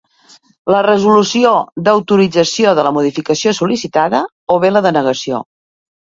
La resolució d'autorització de la modificació sol·licitada o bé la denegació.